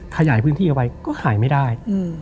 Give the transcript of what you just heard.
ขยายพื้นที่เอาไว้ก็ขายไม่ได้